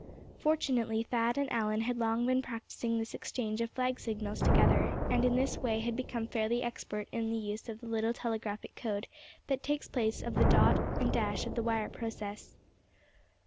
Fortunately Thad and Allan had long been practicing this exchange of flag signals together; and in this way had become fairly expert in the use of the little telegraphic code that takes the place of the dot and dash of the wire process.